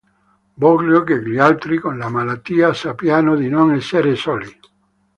Voglio che gli altri con la malattia sappiano di non essere soli.